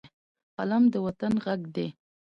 قلم د وطن غږ دی